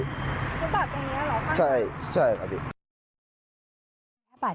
ฟุตบาดตรงนี้หรอครับ